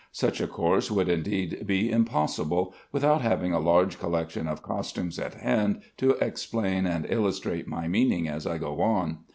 Such a course would indeed be impossible, without having a large collection of costumes at hand to explain and illustrate my meaning as I go on.